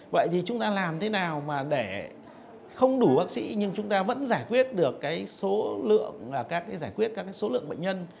vậy thì chúng ta làm thế nào mà để không đủ bác sĩ nhưng chúng ta vẫn giải quyết được số lượng bệnh nhân